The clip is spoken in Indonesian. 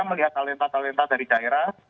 melihat talenta talenta dari daerah